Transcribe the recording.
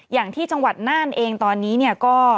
อย่างที่จังหวัดน่านเองตอนนี้เนี่ยก็